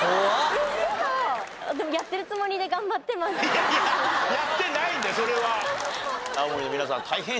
いやいややってないんだよそれは。